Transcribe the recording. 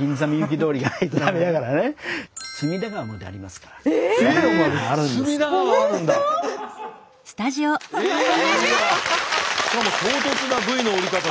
しかも唐突なＶの降り方で。